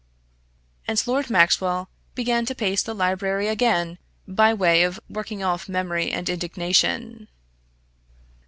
And Lord Maxwell began to pace the library again, by way of working off memory and indignation.